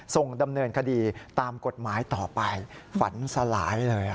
ส่งดำเนินคดีตามกฎหมายต่อไปฝันสลายเลย